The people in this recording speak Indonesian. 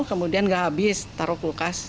kemudian tidak habis taruh ke kulkas